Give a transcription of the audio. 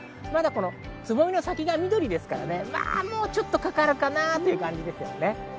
まだつぼみの先が緑ですから、もうちょっとかかるかなという感じです。